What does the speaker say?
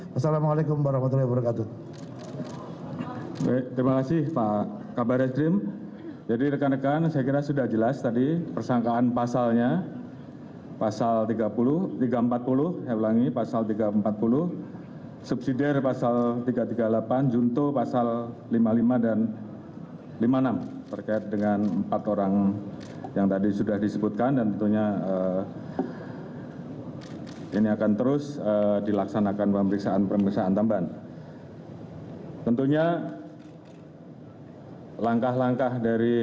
wassalamu'alaikum warahmatullahi wabarakatuh